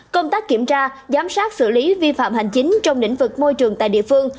công tác kiểm tra giám sát xử lý vi phạm hành chính trong lĩnh vực môi trường tại địa phương